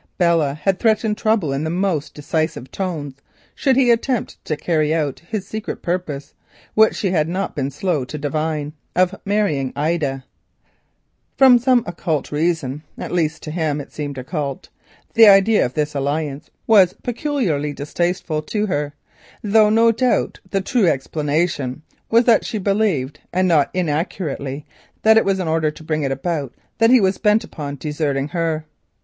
Belle had threatened trouble in the most decisive tones should he attempt to carry out his secret purpose of marrying Ida, which she had not been slow to divine. For some occult reason, at least to him it seemed occult, the idea of this alliance was peculiarly distasteful to her, though no doubt the true explanation was that she believed, and not inaccurately, that in order to bring it about he was bent upon deserting her.